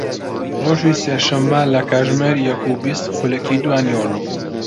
ڕۆژی سێشەممە لە کاتژمێر یەک و بیست خولەکی دوای نیوەڕۆ